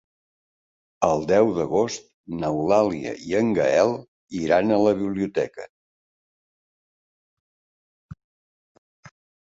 El deu d'agost n'Eulàlia i en Gaël iran a la biblioteca.